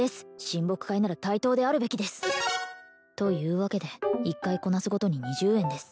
親睦会なら対等であるべきですというわけで一回こなすごとに２０円です